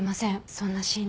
そんな審理。